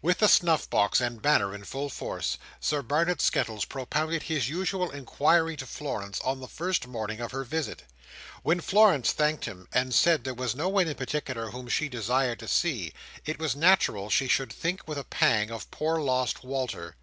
With the snuff box and banner in full force, Sir Barnet Skettles propounded his usual inquiry to Florence on the first morning of her visit. When Florence thanked him, and said there was no one in particular whom she desired to see, it was natural she should think with a pang, of poor lost Walter.